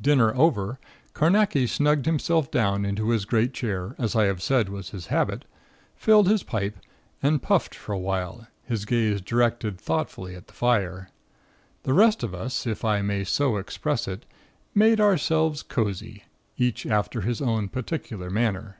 Dinner over, Carnacki snugged himself down into his great chair, as I have said was his habit, filled his pipe and puffed for awhile, his gaze directed thoughtfully at the fire. The rest of us, if I may so express it, made ourselves cozy, each after his own particular manner.